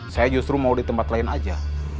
saya justru mau di tempat lain aja